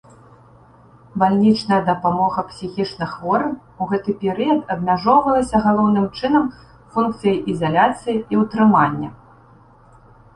Бальнічная дапамога псіхічнахворым у гэты перыяд абмяжоўвалася галоўным чынам функцыяй ізаляцыі і ўтрымання.